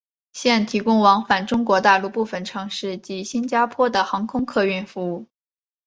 现提供往返中国大陆部分城市及新加坡的航空客运服务。